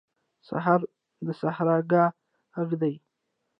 سهار د سحرګاه غږ دی.